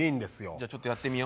じゃあちょっとやってみよ。